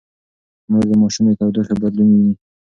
مور د ماشوم د تودوخې بدلون ويني.